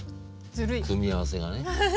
組み合わせがね。